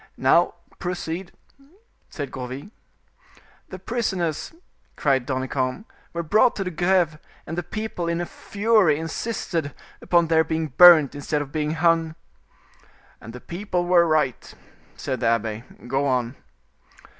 "Now, proceed," said Gourville. "The prisoners," cried Danicamp, "were brought to the Greve, and the people, in a fury, insisted upon their being burnt instead of being hung." "And the people were right," said the abbe. "Go on."